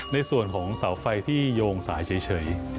ในส่วนของเสาไฟที่โยงสายเฉย